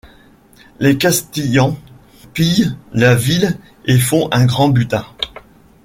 Les Castillans pillent la ville et font un grand butin.